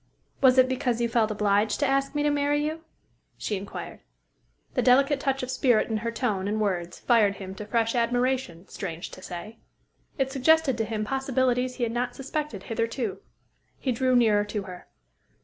"Was it because you felt obliged to ask me to marry you?" she inquired. The delicate touch of spirit in her tone and words fired him to fresh admiration, strange to say. It suggested to him possibilities he had not suspected hitherto. He drew nearer to her.